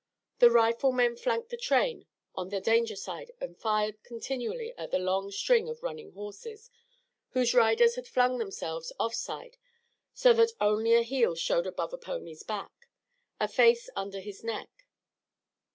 The riflemen flanked the train on the danger side and fired continually at the long string of running horses, whose riders had flung themselves off side so that only a heel showed above a pony's back, a face under his neck.